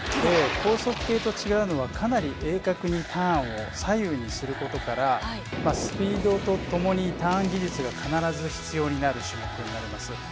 高速系と違うのはかなり鋭角にターンを左右にすることからスピードと共にターン技術が必ず必要になる種目になります。